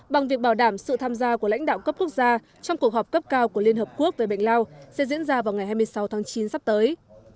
bằng việc bảo đảm sự tham gia của lãnh đạo cấp quốc gia trong cuộc họp cấp cao của liên hợp quốc về bệnh lao sẽ diễn ra vào ngày hai mươi sáu tháng chín sắp tới